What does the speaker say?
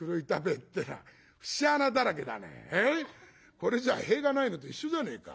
これじゃあ塀がないのと一緒じゃねえか。